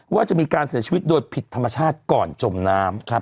ว่าจะมีการเสียชีวิตโดยผิดธรรมชาติก่อนจมน้ำ